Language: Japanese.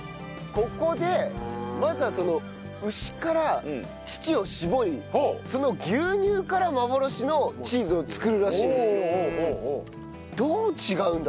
ここでまずは牛から乳を搾りその牛乳から幻のチーズを作るらしいんですよ。